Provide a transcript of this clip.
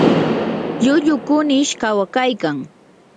lllullu kunish kawakaykan.